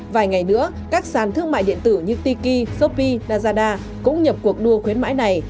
vài ngày nữa các sàn thương mại điện tử như tiki shopee lazada cũng nhập cuộc đua khuyến mãi này